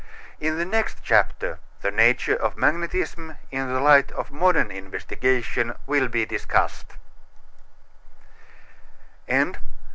In the next chapter the nature of magnetism in the light of modern investigation will be discussed.